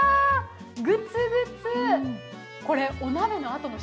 グツグツ。